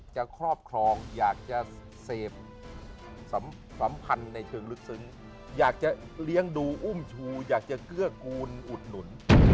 ครอบครองอยากจะเสพสัมพันธ์ในเชิงลึกซึ้งอยากจะเลี้ยงดูอุ้มชูอยากจะเกื้อกูลอุดหนุน